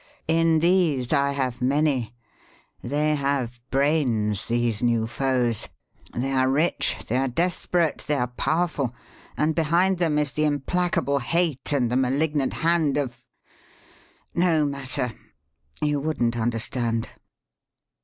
In these, I have many. They have brains, these new foes; they are rich, they are desperate, they are powerful; and behind them is the implacable hate and the malignant hand of No matter! You wouldn't understand."